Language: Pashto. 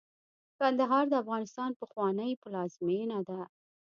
کندهار د افغانستان پخوانۍ پلازمېنه ده.